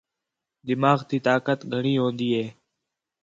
دماغ تی طاقت گھݨی ہون٘دی ہِے